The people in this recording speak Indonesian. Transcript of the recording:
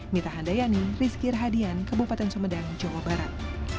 minta handayani rizkir hadian kabupaten sumedang jawa barat